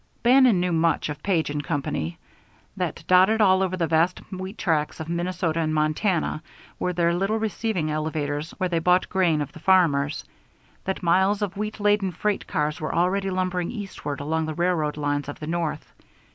Bannon knew much of Page & Company; that dotted all over the vast wheat tracts of Minnesota and Montana were their little receiving elevators where they bought grain of the farmers; that miles of wheat laden freight cars were already lumbering eastward along the railroad lines of the North.